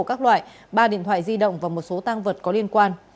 các loại ba điện thoại di động và một số tăng vật có liên quan